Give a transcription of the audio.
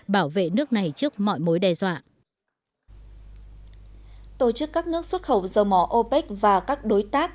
bảo vệ nước này trước mọi mối đe dọa tổ chức các nước xuất khẩu dầu mỏ opec và các đối tác